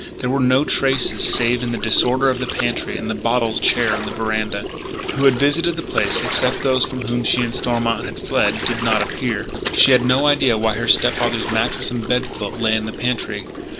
There were no traces save in the disorder in the pantry and the bottles and chair on the veranda. Who had visited the place excepting those from whom she and Stormont had fled, did not appear. She had no idea why her step father's mattress and bed quilt lay in the pantry.